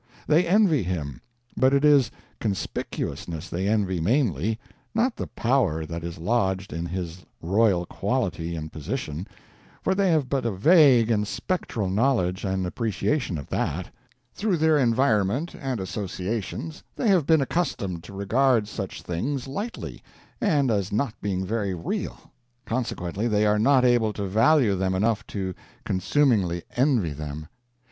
They envy him; but it is Conspicuousness they envy mainly, not the Power that is lodged in his royal quality and position, for they have but a vague and spectral knowledge and appreciation of that; through their environment and associations they have been accustomed to regard such things lightly, and as not being very real; consequently, they are not able to value them enough to consumingly envy them.